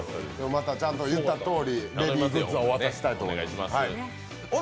またちゃんと言ったとおりベビーグッズをお渡ししたいと思います。